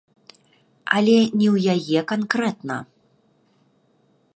Але не ў яе канкрэтна.